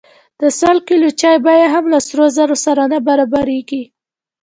د سل کیلو چای بیه هم له سرو زرو سره نه برابریږي.